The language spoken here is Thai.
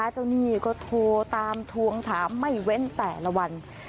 หนี้ก็โทรตามทวงถามไม่เว้นแต่ละวัน